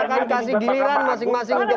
karena kita mengenalkan